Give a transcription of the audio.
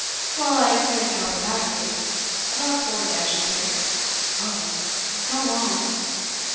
'Well, I couldn't tell exactly; about forty, I should think.' 'Oh! Go on.